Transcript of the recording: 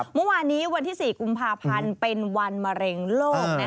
เมื่อวานนี้วันที่๔กุมภาพันธ์เป็นวันมะเร็งโลก